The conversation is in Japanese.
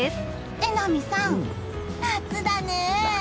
榎並さん、夏だね。